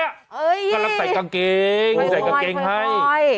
กำลังใส่กางเกงใส่กางเกงให้